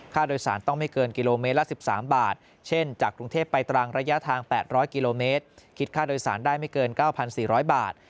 โดยสารต้องไม่เกินกิโลเมตรละ๑๓บาทเช่นจากกรุงเทพไปตรังระยะทาง๘๐๐กิโลเมตรคิดค่าโดยสารได้ไม่เกิน๙๔๐๐บาท